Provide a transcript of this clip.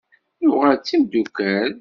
Nuɣal d timeddukal.